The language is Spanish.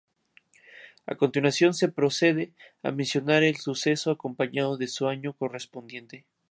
A continuación se procede a mencionar el suceso acompañado de su año correspondiente.